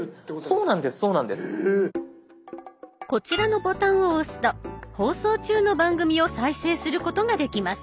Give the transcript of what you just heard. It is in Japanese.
こちらのボタンを押すと放送中の番組を再生することができます。